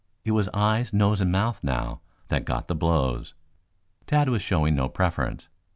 It was eyes, nose and mouth, now, that got the blows. Tad was showing no preference.